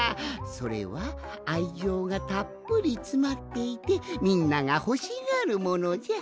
それはあいじょうがたっぷりつまっていてみんながほしがるものじゃ。